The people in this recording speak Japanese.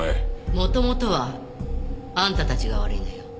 もともとはあんたたちが悪いのよ。